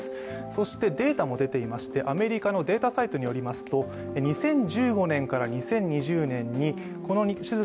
そしてデータも出ていまして、アメリカのデータサイトによりますと２０１５年から２０２０年にこの手術